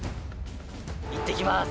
行ってきます。